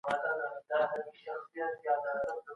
هیوادونه خپله بهرنۍ تګلاره بې له ملي ګټو نه ټاکي.